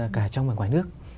cả trong và ngoài nước